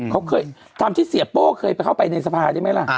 เขาเคยทำที่เสียโป้เคยเข้าไปในสภาได้ไหมล่ะ